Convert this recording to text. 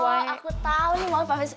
aku tahu nih